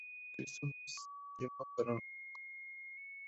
Cristo no es tema para una comedia.